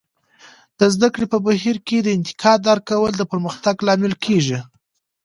د زده کړې په بهیر کې د انتقاد درک کول د پرمختګ لامل کیږي.